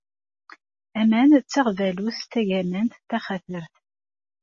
Aman d taɣbalut tagamant taxatart.